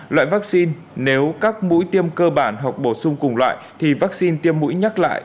loại vaccine nếu các mũi tiêm cơ bản hoặc bổ sung cùng loại thì vaccine tiêm mũi nhắc lại